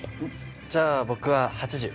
じゃあ僕は８０。